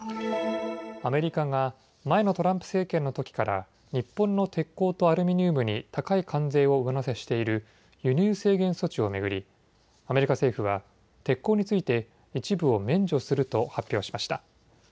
アメリカが前のトランプ政権のときから日本の鉄鋼とアルミニウムに高い関税を上乗せしている輸入制限措置を巡りアメリカ政府は鉄鋼について一部を免除すると発表しました。